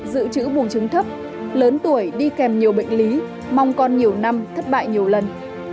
giữ chữ buồn chứng thấp lớn tuổi đi kèm nhiều bệnh lý mong con nhiều năm thất bại nhiều lần